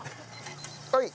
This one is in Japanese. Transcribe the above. はい。